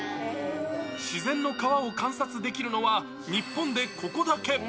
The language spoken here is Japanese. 自然の川を観察できるのは、日本でここだけ。